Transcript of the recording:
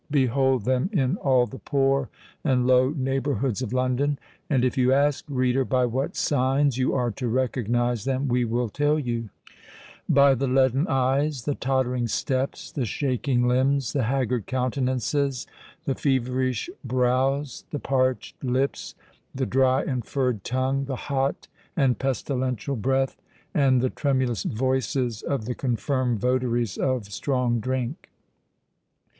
Behold them in all the poor and low neighbourhoods of London! And if you ask, reader, by what signs you are to recognise them, we will tell you:—by the leaden eyes—the tottering steps—the shaking limbs—the haggard countenances—the feverish brows—the parched lips—the dry and furred tongue—the hot and pestilential breath—and the tremulous voices, of the confirmed votaries of strong drink.